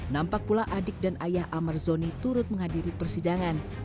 nampak pula adik dan ayah amar zoni turut menghadiri persidangan